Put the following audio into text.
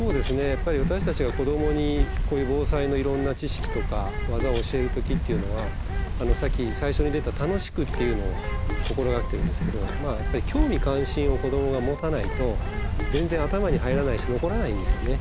やっぱり私たちが子どもにこういう防災のいろんな知識とか技を教える時っていうのはさっき最初に出た「楽しく」っていうのを心掛けてるんですけど興味・関心を子どもが持たないと全然頭に入らないし残らないんですよね。